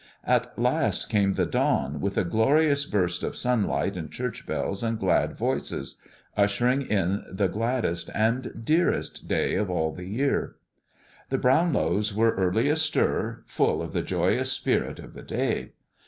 At last came the dawn, with a glorious burst of sunlight and church bells and glad voices, ushering in the gladdest and dearest day of all the year. The Brownlows were early astir, full of the joyous spirit of the day.